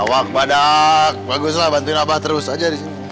awak badak bagus lah bantuin abah terus aja disini